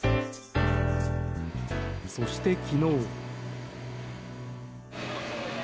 そして、昨日。